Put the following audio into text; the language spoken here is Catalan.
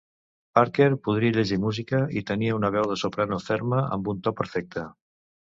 Parker podia llegir música i tenia una veu de soprano ferma amb un to perfecte.